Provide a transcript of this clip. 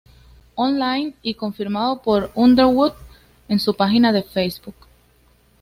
Online, y confirmado por Underwood en su página de Facebook.